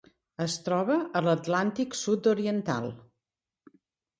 Es troba a l'Atlàntic sud-oriental.